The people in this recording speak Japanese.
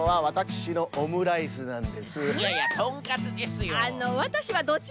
ですからオムライスなんです！